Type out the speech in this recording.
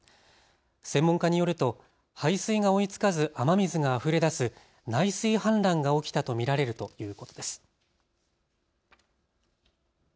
専門家によると排水が追いつかず雨水があふれ出す内水氾濫が起きたと見られるということです。